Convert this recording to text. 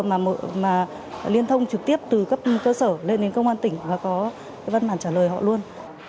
mà liên thông trực tiếp từ cấp cơ sở lên đến công an tỉnh và có cái văn bản trả lời họ luôn